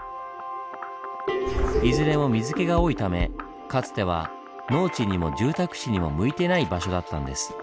いずれも水けが多いためかつては農地にも住宅地にも向いてない場所だったんです。